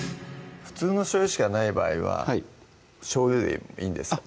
普通のしょうゆしかない場合はしょうゆでもいいんですか？